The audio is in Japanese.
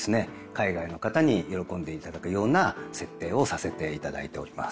海外の方に喜んでいただくような設定をさせていただいております。